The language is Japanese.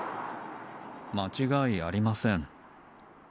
間違いありません。